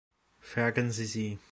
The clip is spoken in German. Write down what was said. Fragen Sie sie!